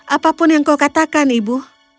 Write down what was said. apapun yang kau katakan ibu